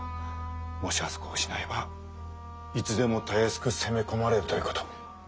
もしあそこを失えばいつでもたやすく攻め込まれるということ。